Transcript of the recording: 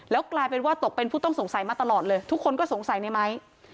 กลายเป็นว่าตกเป็นผู้ต้องสงสัยมาตลอดเลยทุกคนก็สงสัยในไม้